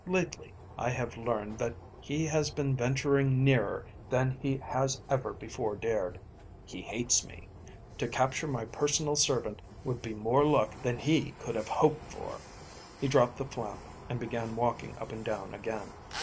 Lately I have learned that he has been venturing nearer than he has ever before dared. He hates me. To capture my personal servant would be more luck than he could have hoped for." He dropped the flap and began walking up and down again.